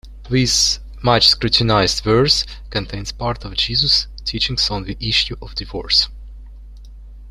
This much scrutinized verse contains part of Jesus' teachings on the issue of divorce.